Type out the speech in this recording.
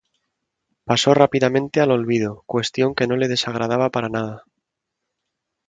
Pasó rápidamente al olvido, cuestión que no le desagradaba para nada.